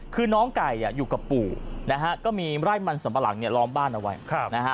คือน้องไก่อยู่กับปู่นะฮะก็มีไร่มันสัมปะหลังเนี่ยล้อมบ้านเอาไว้นะฮะ